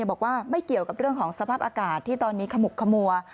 บอกว่าไม่เกี่ยวกับเรื่องของสภาพอากาศที่ตอนนี้ขมุกขมัว